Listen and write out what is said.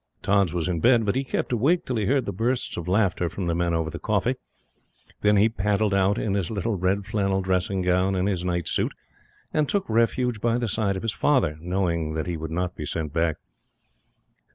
Tods was in bed, but he kept awake till he heard the bursts of laughter from the men over the coffee. Then he paddled out in his little red flannel dressing gown and his night suit, and took refuge by the side of his father, knowing that he would not be sent back.